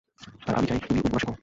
আর আমি চাই তুমি উল বুনা শেখো।